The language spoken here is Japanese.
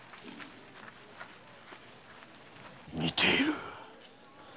似ている。